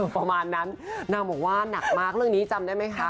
ประมาณนั้นนางบอกว่าหนักมากเรื่องนี้จำได้ไหมคะ